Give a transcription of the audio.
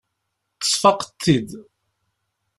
Tesfaqeḍ-t-id.